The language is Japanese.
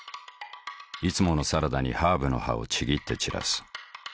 いつものサラダにハーブの葉をちぎって散らす。